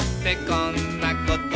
「こんなこと」